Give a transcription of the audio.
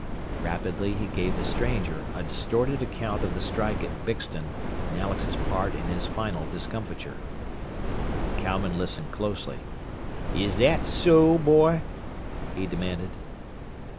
Rapidly he gave the stranger a distorted account of the strike at Bixton, and Alex's part in his final discomfiture. The cowman listened closely. "Is that so, boy?" he demanded.